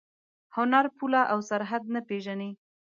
هنر پوله او سرحد نه پېژني.